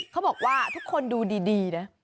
เขาบอกว่าทุกคนดูดีนะ